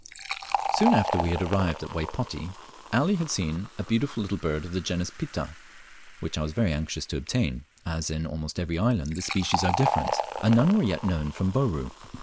Soon after we had arrived at Waypoti, Ali had seen a beautiful little bird of the genus Pitta, which I was very anxious to obtain, as in almost every island the species are different, and none were yet known from Bourn.